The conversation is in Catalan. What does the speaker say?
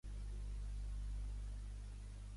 Tota la família va venir anit.